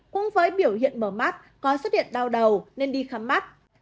cũng với biểu hiện mở mắt có xuất hiện đau đầu nên đi khám mát